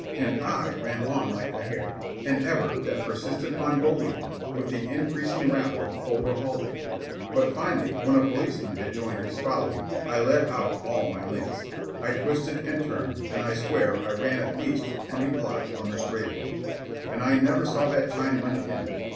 And I ran on like the hare, and ever that persistent Mongolian, with the increasing rabble, overhauled me. But finally, when a policeman had joined his following, I let out all my links. I twisted and turned, and I swear I ran at least twenty blocks on the straight away. And I never saw that Chinaman again.